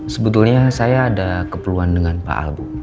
sebetulnya saya ada keperluan dengan pak al bu